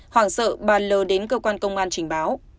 hoàng sợ bà l đến cơ quan công an trình báo